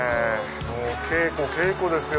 もう稽古稽古ですよ。